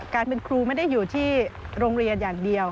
การเป็นครูไม่ได้อยู่ที่โรงเรียนอย่างเดียว